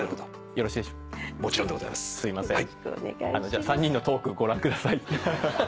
じゃあ３人のトークご覧ください。